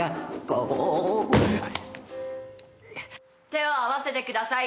手を合わせてください。